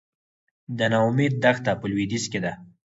د نا امید دښته په لویدیځ کې ده